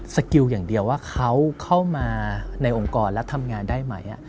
สกิลอย่างเดียวว่าเขาเข้ามาในองค์กรแล้วทำงานได้ไหม